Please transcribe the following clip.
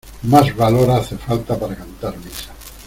¡ más valor hace falta para cantar misa!